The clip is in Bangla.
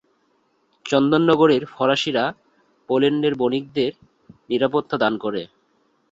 চন্দননগরের ফরাসিরা পোল্যান্ডের বণিকদের নিরাপত্তা দান করে।